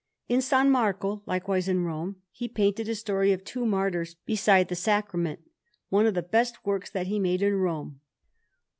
In S. Marco, likewise in Rome, he painted a story of two martyrs beside the Sacrament one of the best works that he made in Rome.